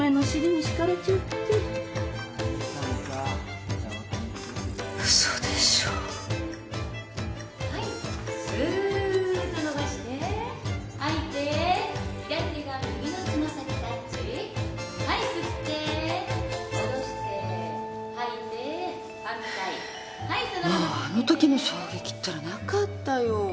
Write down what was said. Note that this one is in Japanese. もうあのときの衝撃ったらなかったよ。